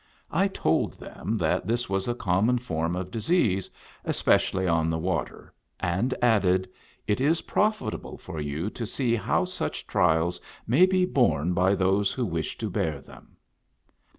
I told them that this was a common form of disease, especially on the water, and added", " It is profitable for you to see how such trials may be borne by those who wish to bear them."